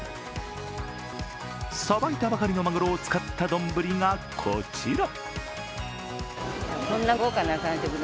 さばいたばかりのまぐろを使った丼がこちら。